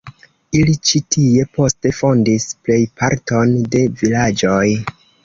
Ili ĉi tie poste fondis plejparton da vilaĝoj.